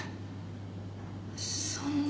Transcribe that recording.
そんな。